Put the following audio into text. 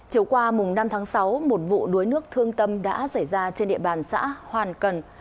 chiều qua năm tháng sáu một vụ đuối nước thương tâm đã xảy ra trên địa bàn xã hoàn cần